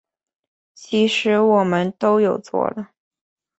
其实我们都有做了